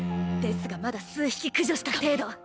ですがまだ数匹駆除した程度。